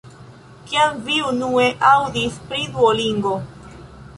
Kiam vi unue aŭdis pri Duolingo?